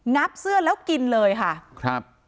นับเสื้อแล้วกินเลยค่ะ